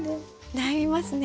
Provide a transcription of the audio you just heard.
悩みますね。